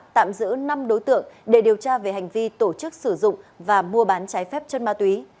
tạm giữ năm đối tượng để điều tra về hành vi tổ chức sử dụng và mua bán trái phép chân ma túy